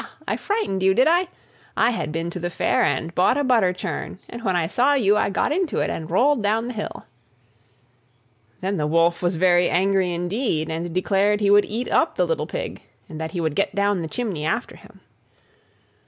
I frightened you, did I? I had been to the Fair and bought a butter churn, and when I saw you I got into it, and rolled down the hill." Then the Wolf was very angry indeed, and declared he would eat up the little Pig, and that he would get down the chimney after him.